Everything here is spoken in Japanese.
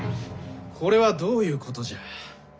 これはどういうことじゃ。